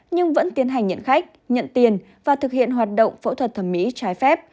nhưng vẫn tiến hành nhận khách nhận tiền và thực hiện hoạt động phẫu thuật thẩm mỹ trái phép